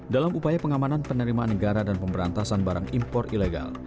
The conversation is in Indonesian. dalam upaya pengamanan penerimaan negara dan pemberantasan barang impor ilegal